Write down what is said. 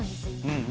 うん